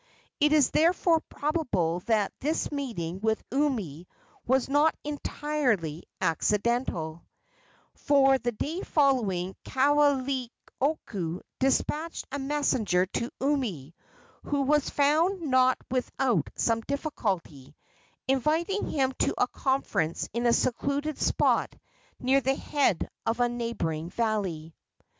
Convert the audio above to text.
It is therefore probable that this meeting with Umi was not entirely accidental, for the day following Kaoleioku despatched a messenger to Umi, who was found not without some difficulty, inviting him to a conference in a secluded spot near the head of a neighboring valley.